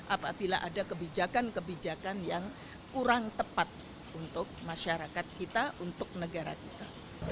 apabila ada kebijakan kebijakan yang kurang tepat untuk masyarakat kita untuk negara kita